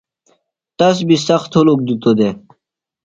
تس بی سخت ہُلُک دِتو دےۡ۔